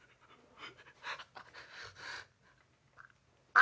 あ！